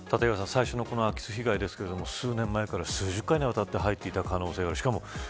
最初の空き巣被害ですが数年前から数十回にわたって入っていた可能性がある。